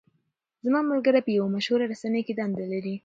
زما ملګری په یوه مشهوره رسنۍ کې دنده لري.